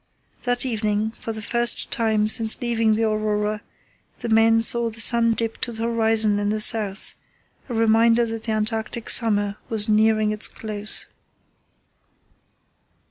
That evening, for the first time since leaving the Aurora, the men saw the sun dip to the horizon in the south, a reminder that the Antarctic summer was nearing its close.